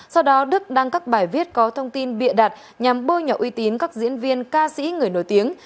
sau đó đức đăng các bài viết có thông tin bịa đặt nhằm bôi nhọ uy tín các diễn viên ca sĩ người nổi tiếng